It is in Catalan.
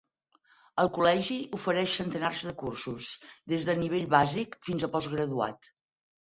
El col·legi ofereix centenars de cursos, des de nivell bàsic fins a post-graduat.